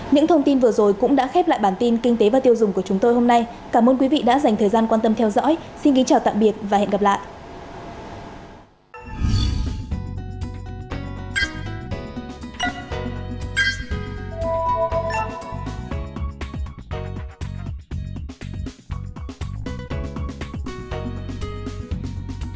những thông tin vừa rồi cũng đã khép lại bản tin kinh tế và tiêu dùng của chúng tôi hôm nay cảm ơn quý vị đã dành thời gian quan tâm theo dõi xin kính chào tạm biệt và hẹn gặp lại